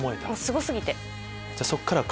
すご過ぎて。